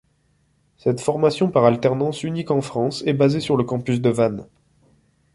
Cette formation par alternance unique en France, est basée sur le campus de Vannes.